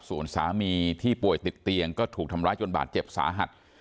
ส่วนสามีที่ป่วยติดเตียงก็ถูกทำร้ายจนบาดเจ็บสาหัส